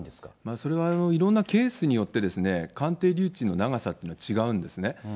それはいろんなケースによって、鑑定留置の長さっていうのは違うんですね。